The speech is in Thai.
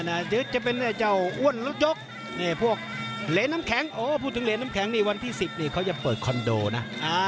นี่พวกเหรน้ำแข็งพูดถึงเหรน้ำแข็งวันที่๑๐นี่เขาจะเปิดคอนโดนะ